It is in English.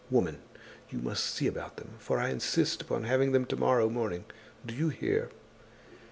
Woman, you must see about them, for I insist upon having them to morrow morning, do you hear?"